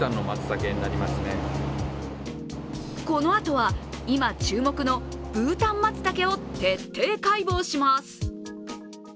このあとは、今注目のブータン松茸を徹底解剖します。